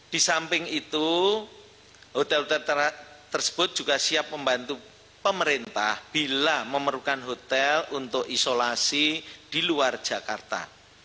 di samping itu hotel hotel tersebut juga siap membantu pemerintah bila memerlukan hotel untuk isolasi di luar jakarta